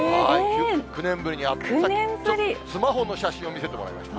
９年ぶりに会って、スマホの写真を見せてもらいました。